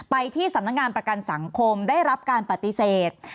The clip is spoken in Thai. ไปที่สำนักงานประกันสังคมได้รับการปฏิเสธ